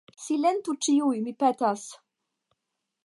Silentu ĉiuj, mi petas!